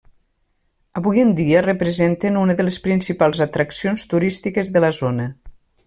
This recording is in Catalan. Avui en dia representen una de les principals atraccions turístiques de la zona.